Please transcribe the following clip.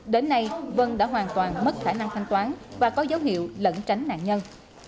đến nay vân đã hoàn toàn mất khả năng thanh toán và có dấu hiệu lẫn tránh nạn nhân